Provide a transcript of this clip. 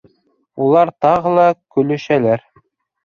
Улар тағы ла көлөшәләр.